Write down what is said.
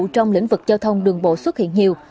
trong lĩnh vực giao thông đường bộ xuất hiện nhiều